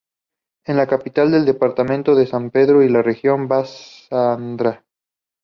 Es la capital del departamento de San Pedro y de la región Bas-Sassandra.